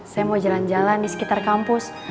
saya mau jalan jalan di sekitar kampus